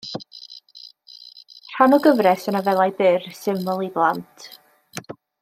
Rhan o gyfres o nofelau byr, syml i blant.